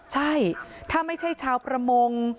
ใช่ถ้าไม่ใช่ชาวประมง